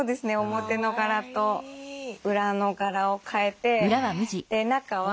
表の柄と裏の柄を替えて中は。